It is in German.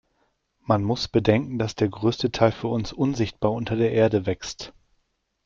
Man muss bedenken, dass der größte Teil für uns unsichtbar unter der Erde wächst.